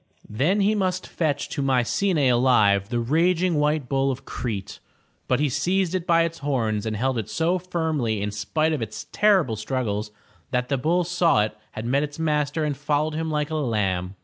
Then he must fetch to Mycenae alive the raging white bull of Crete, but he seized it by its horns and held it so firmly in spite of its terrible struggles that the bull saw it had met its master and followed him like a lamb.